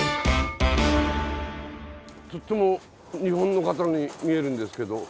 とっても日本の方に見えるんですけど。